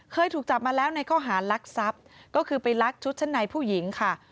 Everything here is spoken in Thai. เคยถูกจับมาแล้วในข้อหารักทรัพย์ก็คือไปลักชุดชั้นในผู้หญิงค่ะ